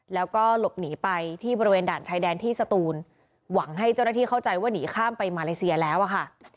แล้วก็หลบหนีไปที่บริเวณด่านชายแดนที่สตูนหวังให้เจ้าหน้าที่เข้าใจว่าหนีข้ามไปมาเลเซียแล้วอะค่ะ